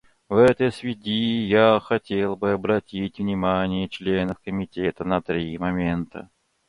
В этой связи я хотел бы обратить внимание членов Комитета на три момента.